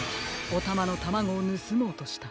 おたまのタマゴをぬすもうとした。